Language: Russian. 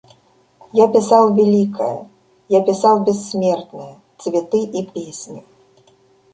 Я писал великое, я писал бессмертное — цветы и песни.